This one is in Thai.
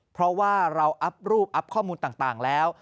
เพราะว่าเราอัพรูปอัพข้อมูลต่างแล้ว